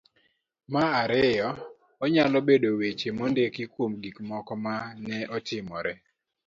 ma ariyo .Onyalo bedo weche mondiki kuom gik moko ma ne otimore.